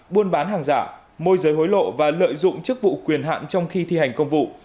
buôn bán hàng giả môi giới hối lộ và lợi dụng chức vụ quyền hạn trong khi thi hành công vụ